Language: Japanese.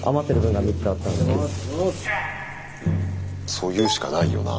そう言うしかないよな。